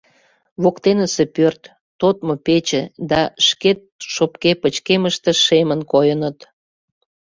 Воктенсе пӧрт, тодмо пече да шкет шопке пычкемыште шемын койыныт.